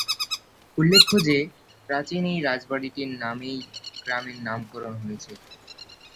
উল্লেখ্য যে, প্রাচীন এই রাজ বাড়িটির নামেই গ্রামের নামকরণ হয়েছে।